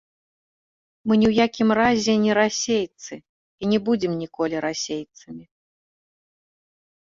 Мы ні ў якім разе ні расейцы, і не будзем ніколі расейцамі.